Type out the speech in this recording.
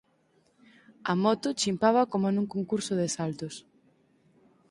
A moto chimpaba como nun concurso de saltos.